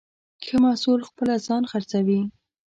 ښه محصول خپله ځان خرڅوي.